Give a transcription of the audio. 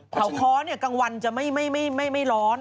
เผาเค้าเนี่ยกลางวันจะไม่ร้อน